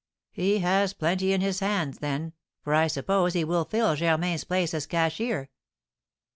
"He has plenty in his hands, then, for I suppose he will fill Germain's place as cashier."